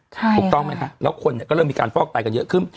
ถูกต้องไหมคะแล้วคนก็เริ่มมีการฟอกไตกันเยอะขึ้น